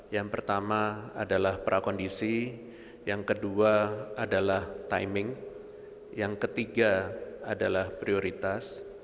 yang pertama adalah prakondisi yang kedua adalah timing yang ketiga adalah prioritas